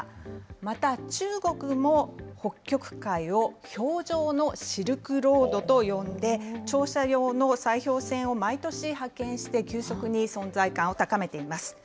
また、中国も北極海を氷上のシルクロードと呼んで、調査用の砕氷船を毎年派遣して急速に存在感を高めています。